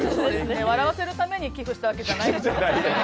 笑わせるために寄付したわけじゃないんですけど。